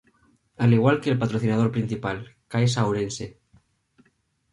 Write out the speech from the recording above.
Al igual que el patrocinador principal: Caixa Ourense.